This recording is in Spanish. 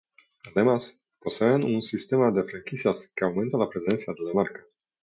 Además, poseen un sistema de franquicias que aumenta la presencia de la marca.